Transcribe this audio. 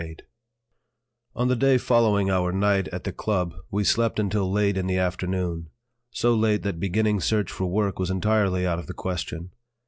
VIII On the day following our night at the "Club" we slept until late in the afternoon; so late that beginning search for work was entirely out of the question.